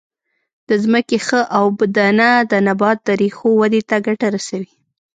د ځمکې ښه اوبدنه د نبات د ریښو ودې ته ګټه رسوي.